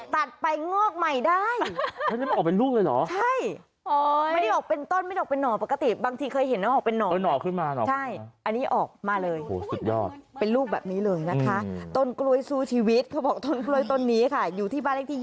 ตัดไปงอกใหม่ได้มาออกเป็นลูกเลยเหรอ